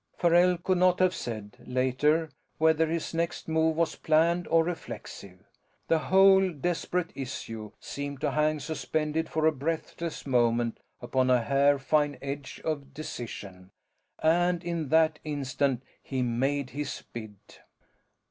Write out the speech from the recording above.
Farrell could not have said, later, whether his next move was planned or reflexive. The whole desperate issue seemed to hang suspended for a breathless moment upon a hair fine edge of decision, and in that instant he made his bid.